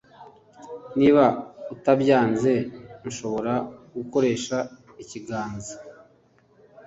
Niba utabyanze nshobora gukoresha ikiganza